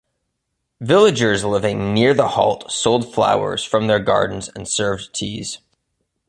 Villagers living near the halt sold flowers from their gardens and served teas.